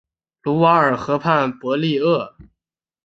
卢瓦尔河畔博利厄。